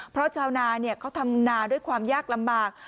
เพราะชาวนาเขาทำนาด้วยความยากลำบาก